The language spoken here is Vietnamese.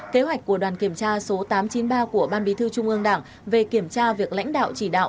kế hoạch của đoàn kiểm tra số tám trăm chín mươi ba của ban bí thư trung ương đảng về kiểm tra việc lãnh đạo chỉ đạo